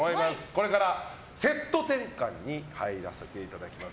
これからセット転換に入らせていただきます。